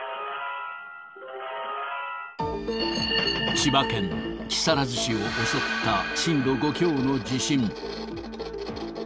千葉県木更津市を襲った震度５強の地震。